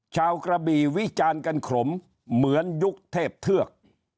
กระบี่วิจารณ์กันขลมเหมือนยุคเทพเทือก